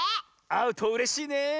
あうとうれしいねえ。